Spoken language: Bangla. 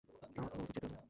আমাকে বহু দূর যেতে হবে।